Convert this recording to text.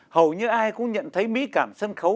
hầu như ai cũng nhận thấy mỹ cảm sân khấu